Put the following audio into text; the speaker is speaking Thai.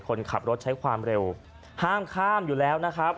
คนขับรถใช้ความเร็วห้ามข้ามอยู่แล้วนะครับ